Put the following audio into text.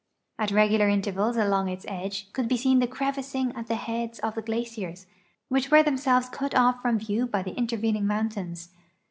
At regular intervals along its edge could be seen the crevassing at the heads of the glaciers, which were themselves cut off from view by the intervening mountains.